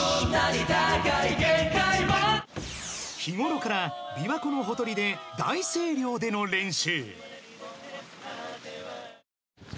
［日ごろから琵琶湖のほとりで大声量での練習］